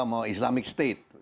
maka mau islamic state